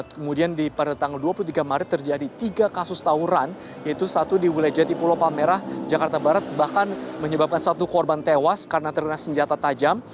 kemudian pada tanggal dua puluh tiga maret terjadi tiga kasus tawuran yaitu satu di wilayah jati pulau palmerah jakarta barat bahkan menyebabkan satu korban tewas karena terkena senjata tajam